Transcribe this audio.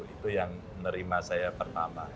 itu yang menerima saya pertama